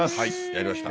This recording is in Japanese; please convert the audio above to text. やりました。